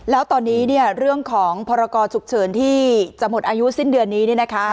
แล้วตอนนี้เนี่ยเรื่องของพรกรฉุกเฉินที่จะหมดอายุสิ้นเดือนนี้เนี่ยนะคะ